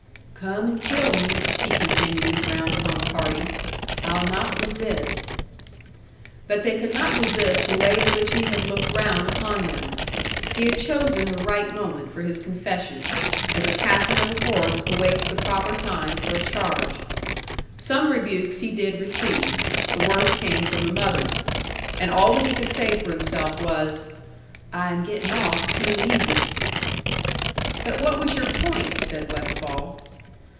"Come and kill me," he continued, round upon the party. "I'll not resist." But they could not resist the way in which he had looked round upon them. He had chosen the right moment for his confession, as a captain of a horse awaits the proper time for a charge. Some rebukes he did receive; the worst came from the mothers. And all that he could say for himself was, "I am getting off too easy." "But what was your point?" said Westfall.